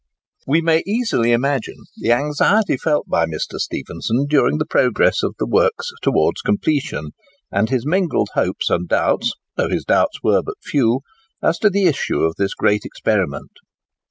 We may easily imagine the anxiety felt by Mr. Stephenson during the progress of the works towards completion, and his mingled hopes and doubts (though his doubts were but few) as to the issue of this great experiment.